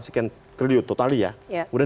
sekian total ya kemudian